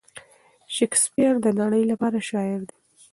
شکسپیر د نړۍ لپاره شاعر دی.